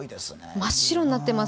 真っ白になってます。